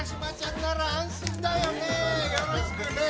よろしくね！